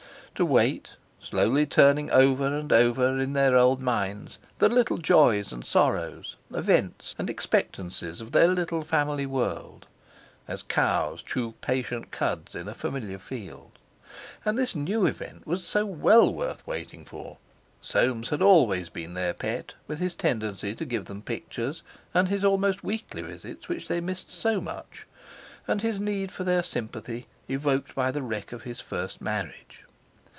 To wait, slowly turning over and over, in their old minds the little joys and sorrows, events and expectancies, of their little family world, as cows chew patient cuds in a familiar field. And this new event was so well worth waiting for. Soames had always been their pet, with his tendency to give them pictures, and his almost weekly visits which they missed so much, and his need for their sympathy evoked by the wreck of his first marriage.